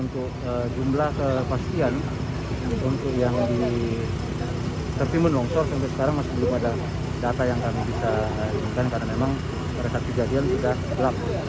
tertimbun longsor sampai sekarang masih belum ada data yang kami bisa inginkan karena memang resaksi jadian sudah gelap